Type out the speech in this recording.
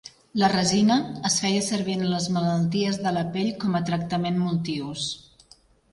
La resina es feia servir en les malalties de la pell com a tractament multiús.